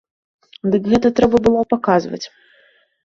Дык гэта трэба было паказваць.